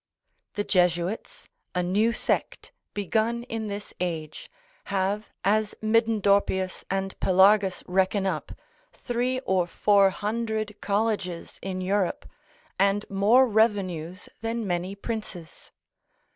The Jesuits, a new sect, begun in this age, have, as Middendorpius and Pelargus reckon up, three or four hundred colleges in Europe, and more revenues than many princes.